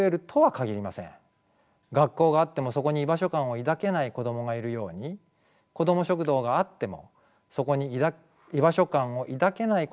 学校があってもそこに居場所感を抱けない子供がいるようにこども食堂があってもそこに居場所感を抱けない子供はいるでしょう。